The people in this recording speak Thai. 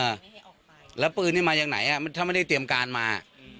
ออกไปแล้วปืนนี่มาจากไหนอ่ะถ้าไม่ได้เตรียมการมา